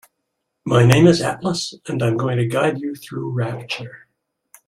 My name is Atlas and I'm going to guide you through Rapture.